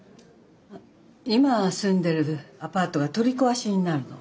今住んでるアパートが取り壊しになるの。